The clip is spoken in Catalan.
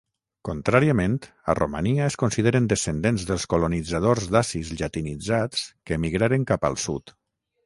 Contràriament, a Romania es consideren descendents dels colonitzadors dacis llatinitzats que emigraren cap al sud.